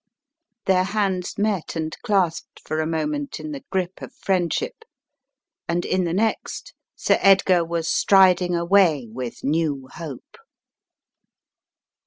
Their hands met and clasped for a moment in the grip of friendship and in the next, Sir Edgar was striding away with new hope.